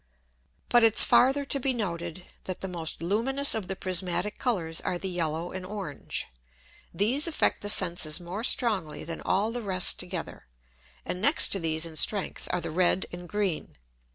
But it's farther to be noted, that the most luminous of the Prismatick Colours are the yellow and orange. These affect the Senses more strongly than all the rest together, and next to these in strength are the red and green.